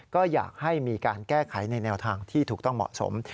ก็อยากให้มีการแก้ไขในแนวทางที่ถูกต้องเหมาะสม